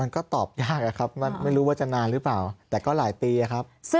ก็ตอบยากอะครับไม่รู้ว่าจะนานหรือเปล่าแต่ก็หลายปีครับ